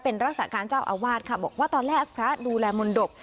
เป็นรักษาการเจ้าอาวาสค่ะบอกว่าตอนแรกพระดูแลมนตบ